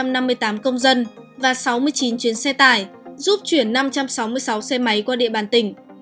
một trăm năm mươi tám công dân và sáu mươi chín chuyến xe tải giúp chuyển năm trăm sáu mươi sáu xe máy qua địa bàn tỉnh